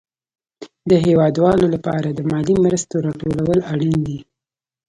د هېوادوالو لپاره د مالي مرستو راټول اړين دي.